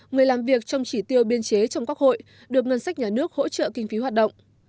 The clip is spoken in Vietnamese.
người làm việc trong chỉ tiêu biên chế trong quốc hội được ngân sách nhà nước hỗ trợ kinh phí hoạt động